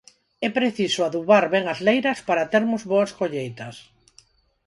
É preciso adubar ben as leiras para termos boas colleitas